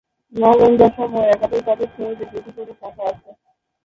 নবম-দশম ও একাদশ-দ্বাদশ শ্রেণীতে দুটি করে শাখা আছে।